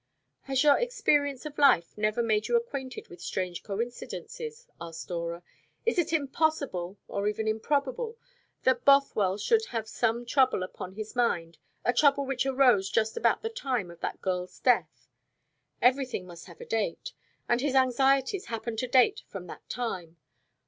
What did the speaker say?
"Has your experience of life never made you acquainted with strange coincidences?" asked Dora. "Is it impossible, or even improbable, that Bothwell should have some trouble upon his mind a trouble which arose just about the time of that girl's death? Everything must have a date; and his anxieties happen to date from that time.